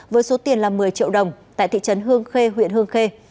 với số tiền là một mươi triệu đồng tại thị trấn hương khê huyện hương khê